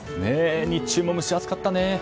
日中も蒸し暑かったね。